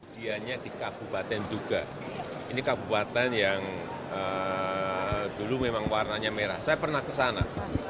dianya di kabupaten duga ini kabupaten yang dulu memang warnanya merah saya pernah kesana